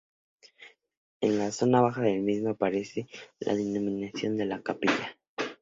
En la zona baja del mismo aparece la denominación de la Capilla.